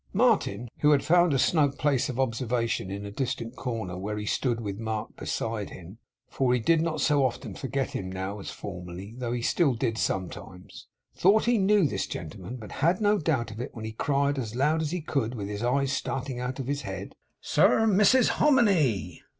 Martin, who had found a snug place of observation in a distant corner, where he stood with Mark beside him (for he did not so often forget him now as formerly, though he still did sometimes), thought he knew this gentleman, but had no doubt of it, when he cried as loud as he could, with his eyes starting out of his head: 'Sir, Mrs Hominy!